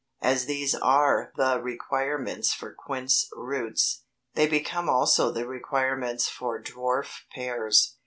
As these are the requirements for quince roots, they become also the requirements for dwarf pears.